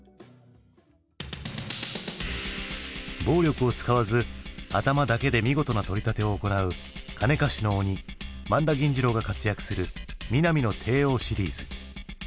暴力を使わず頭だけで見事な取り立てを行う金貸しの鬼萬田銀次郎が活躍する「ミナミの帝王」シリーズ。